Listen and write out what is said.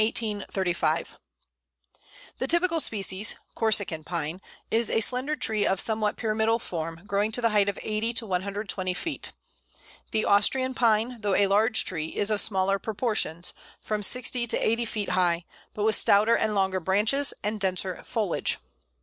[Illustration: Austrian Pine.] The typical species (Corsican Pine) is a slender tree of somewhat pyramidal form, growing to the height of 80 to 120 feet. The Austrian Pine, though a large tree, is of smaller proportions from 60 to 80 feet high but with stouter and longer branches, and denser foliage.